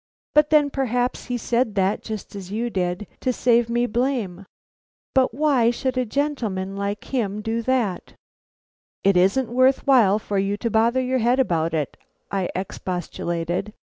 But then perhaps he said that, just as you did, to save me blame. But why should a gentleman like him do that?" "It isn't worth while for you to bother your head about it," I expostulated.